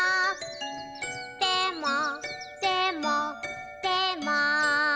でもでもでも」